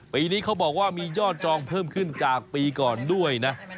ปีนี้เขาบอกว่ามียอดจองเพิ่มขึ้นจากปีก่อนด้วยนะ